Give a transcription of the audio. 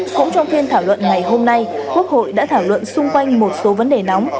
cũng trong phiên thảo luận ngày hôm nay quốc hội đã thảo luận xung quanh một số vấn đề nóng